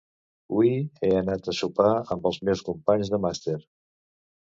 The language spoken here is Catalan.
Hui he anat a sopar amb els meus companys de màster.